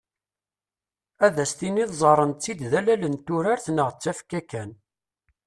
Ad as-tiniḍ ẓẓaren-tt-id d allal n turart neɣ d tafekka kan.